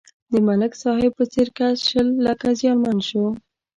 د ملک صاحب په څېر کس شل لکه زیانمن شو.